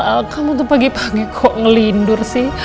al kamu tuh pagi pagi kok ngelindur sih